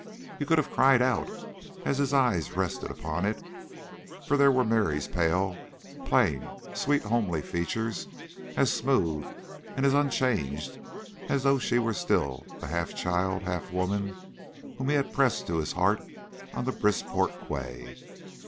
He could have cried out as his eyes rested upon it, for there were Mary's pale, plain, sweet homely features as smooth and as unchanged as though she were still the half child, half woman, whom he had pressed to his heart on the Brisport quay.